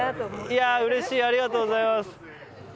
いやうれしいありがとうございます。